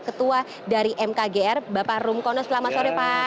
ketua dari mkgr bapak rumkono selamat sore pak